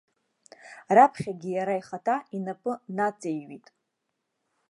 Раԥхьагьы иара ихаҭа инапы наҵеиҩит.